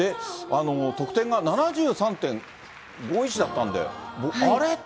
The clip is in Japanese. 得点が７３．５１だったんで、あれ？